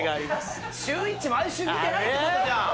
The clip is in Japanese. シューイチ毎週見てないってことじゃん。